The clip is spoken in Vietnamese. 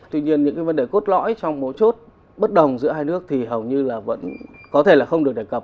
tuy nhiên những cái vấn đề cốt lõi trong một chút bất đồng giữa hai nước thì hầu như là vẫn có thể là không được đề cập